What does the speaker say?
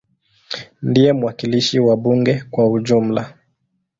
Ndiye mwakilishi wa bunge kwa ujumla.